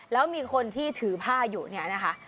แล้วมีคนที่ถือผ้าอยู่เนี่ยนะคะ